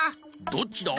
「どっちだ？」